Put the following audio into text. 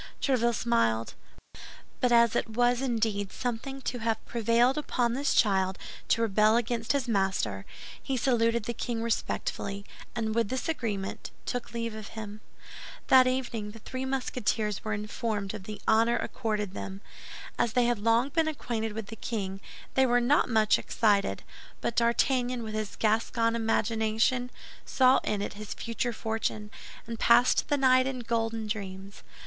Tréville smiled; but as it was indeed something to have prevailed upon this child to rebel against his master, he saluted the king respectfully, and with this agreement, took leave of him. That evening the three Musketeers were informed of the honor accorded them. As they had long been acquainted with the king, they were not much excited; but D'Artagnan, with his Gascon imagination, saw in it his future fortune, and passed the night in golden dreams.